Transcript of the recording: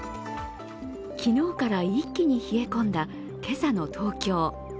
昨日から一気に冷え込んだ今朝の東京。